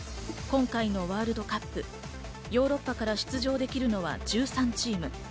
今回のワールドカップ、ヨーロッパから出場できるのは１３チーム。